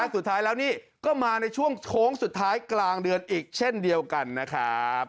สุดท้ายแล้วนี่ก็มาในช่วงโค้งสุดท้ายกลางเดือนอีกเช่นเดียวกันนะครับ